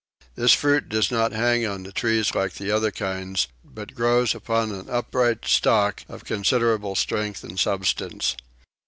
This fruit does not hang on the trees like the other kinds but grows upon an upright stalk of considerable strength and substance.